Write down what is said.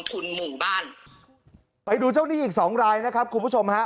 ทุนหมู่บ้านไปดูเจ้าหนี้อีกสองรายนะครับคุณผู้ชมฮะ